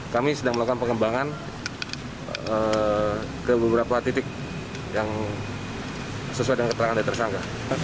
kami sedang melakukan pengembangan ke beberapa titik yang sesuai dengan keterangan dari tersangka